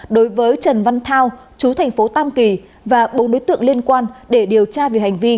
đối với trần văn thao chú thành phố tam kỳ và bốn đối tượng liên quan để điều tra về hành vi